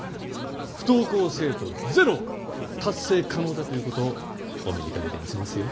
不登校生徒ゼロ達成可能だということをお目にかけてみせますよ。